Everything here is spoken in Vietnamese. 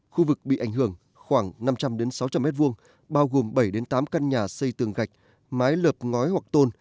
khu vực bị ảnh hưởng khoảng năm trăm linh sáu trăm linh m hai bao gồm bảy tám căn nhà xây tường gạch mái lợp ngói hoặc tôn